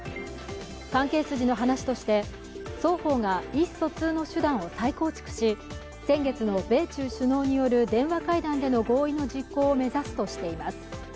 関係筋の話として、双方が意思疎通の手段を再構築し先月の米中首脳による電話会談での合意の実行を目指すとしています。